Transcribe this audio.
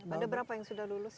ada berapa yang sudah lulus